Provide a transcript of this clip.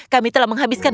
kami telah menghabiskan